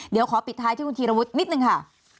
เดี๋ยวขอปิดท้ายที่คุณธีรวุฒินิดนึงค่ะ